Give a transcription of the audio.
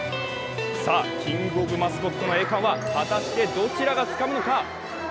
さあ、キングオブマスコットの栄冠は果たしてどちらがつかむのか。